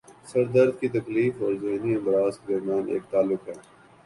سر درد کی تکلیف اور ذہنی امراض کے درمیان ایک تعلق ہے